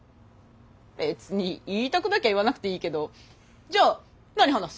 別に言いたくなきゃ言わなくていいけどじゃあ何話す？